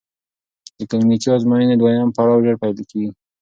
د کلینیکي ازموینو دویم پړاو ژر پیل کېږي.